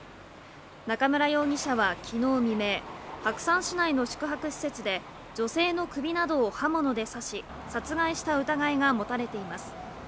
中村容疑者はきのう未明、白山市内の宿泊施設で女性の首などを刃物で刺し、殺害した疑いが持たれています。